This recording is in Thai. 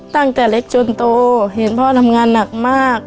ตั้งแต่เล็กจนโตเห็นพ่อทำงานหนักมาก